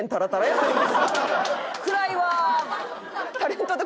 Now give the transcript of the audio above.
暗いわ！